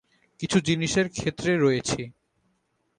কিছু জিনিসের ক্ষেত্রে রয়েছি।